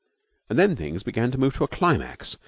And then things began to move to a climax.